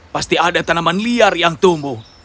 pasti ada tanaman liar yang tumbuh